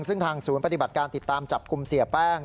ซึ่งทางศูนย์ปฏิบัติการติดตามจับกลุ่มเสียแป้ง